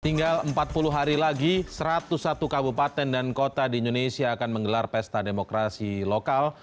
tinggal empat puluh hari lagi satu ratus satu kabupaten dan kota di indonesia akan menggelar pesta demokrasi lokal